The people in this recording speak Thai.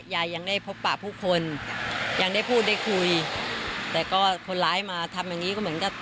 ยังได้พบปะผู้คนยังได้พูดได้คุยแต่ก็คนร้ายมาทำอย่างงี้ก็เหมือนกับ